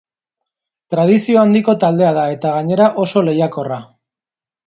Tradizio handiko taldea da, eta gainera, oso lehiakorra.